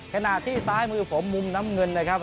ขณะที่ซ้ายมือผมมุมน้ำเงินนะครับ